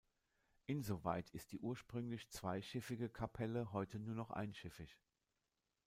Insoweit ist die ursprünglich zweischiffige Kapelle heute nur noch einschiffig.